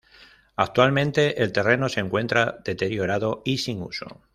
Actualmente, el terreno se encuentra deteriorado y sin uso.